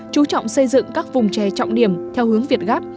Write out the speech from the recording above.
chú trọng xây dựng các vùng chè trọng điểm theo hướng việt gáp